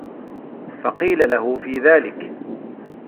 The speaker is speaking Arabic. فَقِيلَ لَهُ فِي ذَلِكَ